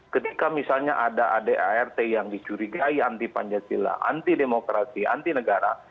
ketika misalnya ada adart yang dicurigai anti pancasila anti demokrasi anti negara